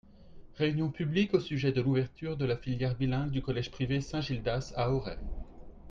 réunion publique au sujet de l'ouverture de la filière bilingue du collège privé Saint Gildas, à Auray.